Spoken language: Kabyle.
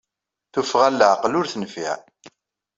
Tuffɣa n leɛqel ur tenfiɛ.